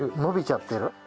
伸びちゃってる。